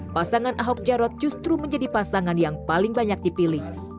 pasangan ahok jarot justru menjadi pasangan yang paling banyak dipilih